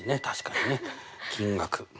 確かにね金額。